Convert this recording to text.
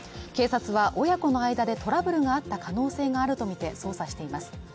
警察は親子の間でトラブルがあった可能性があるとみて捜査しています。